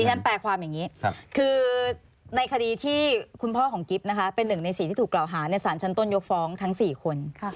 ฉันแปลความอย่างนี้คือในคดีที่คุณพ่อของกิ๊บนะคะเป็นหนึ่งใน๔ที่ถูกกล่าวหาในสารชั้นต้นยกฟ้องทั้ง๔คน